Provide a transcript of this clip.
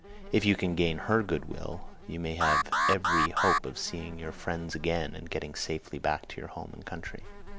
If you can gain her good will, you may have every hope of seeing your friends again, and getting safely back to your home and country."